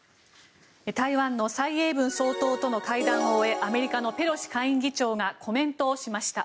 台湾の蔡英文総統との会談を終えアメリカのペロシ下院議長がコメントをしました。